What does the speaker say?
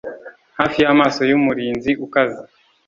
Hafi yamaso yumurinzi ukaze